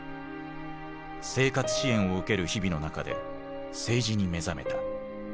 生活支援を受ける日々の中で政治に目覚めた。